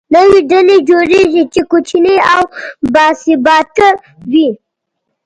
نوې ډلې جوړېږي، چې کوچنۍ او باثباته وي.